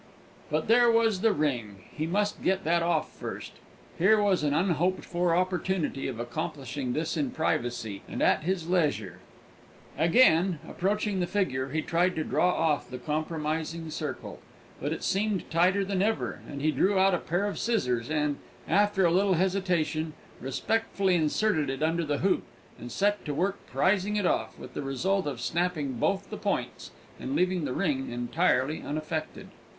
But there was the ring; he must get that off first. Here was an unhoped for opportunity of accomplishing this in privacy, and at his leisure. Again approaching the figure, he tried to draw off the compromising circle; but it seemed tighter than ever, and he drew out a pair of scissors and, after a little hesitation, respectfully inserted it under the hoop and set to work to prize it off, with the result of snapping both the points, and leaving the ring entirely unaffected.